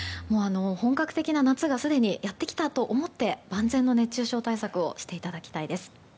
本格的な夏がすでにやってきたと思って万全の熱中症対策をしていただきたいです。